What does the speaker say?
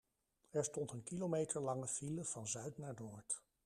Er stond een kilometer lange file van zuid naar noord.